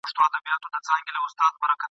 د همدې له برکته موږ ولیان یو ..